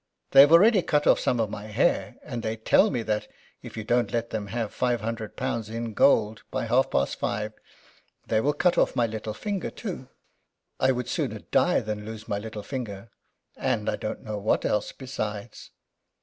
They have already cut off some of my hair, and they tell me that, if you don't let them have five hundred pounds in gold by half past five, they will cut off my little finger too. I would sooner die than lose my little finger and I don't know what else besides.